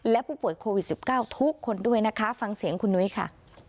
และผู้ป่วยโควิด๑๙ทุกคนด้วยนะคะฟังเสียงคุณนุ้ยค่ะ